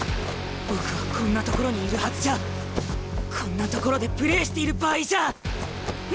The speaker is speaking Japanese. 僕はこんなところにいるはずじゃこんなところでプレーしている場合じゃないんだ！